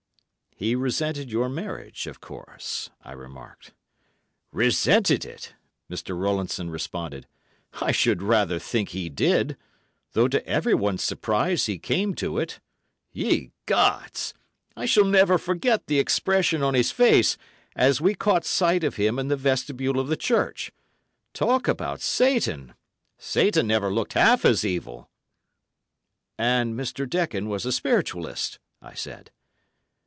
"He resented your marriage, of course," I remarked. "Resented it!" Mr. Rowlandson responded; "I should rather think he did, though to everyone's surprise he came to it. Ye Gods! I shall never forget the expression on his face, as we caught sight of him in the vestibule of the church. Talk about Satan! Satan never looked half as evil." "And Mr. Dekon was a Spiritualist!" I said.